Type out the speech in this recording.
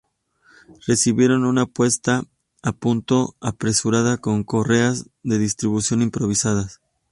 Recibieron una puesta a punto apresurada con correas de distribución improvisadas.